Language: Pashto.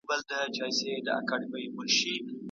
چي وهله یې زورونه